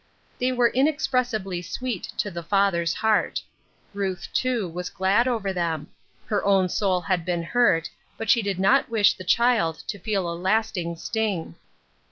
They were inex pressibly sweet to the father's heart. Ruth, too, was glad over them. Her own soul had been hurt, but she did not wish the child to feel a last ing sting.